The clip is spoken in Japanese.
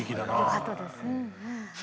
よかったです。